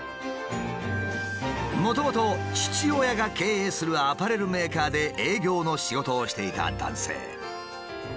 もともと父親が経営するアパレルメーカーで営業の仕事をしていた男性。